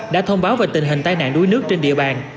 đã thông báo về tình hình tai nạn đuối nước trên địa bàn